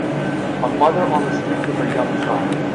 A mother on the street with her young child